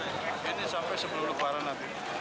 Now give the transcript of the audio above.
ini sampai sebelum lebaran nanti